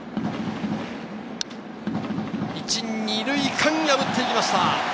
１・２塁間、破っていきました。